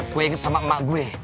gue inget sama emak gue